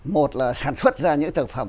một là sản xuất ra những thực phẩm